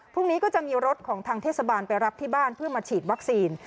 พรุ่งนี้ก็จะมีรถของทางเทศบาลไปรับที่บ้านเพื่อมาฉีดวัคซีน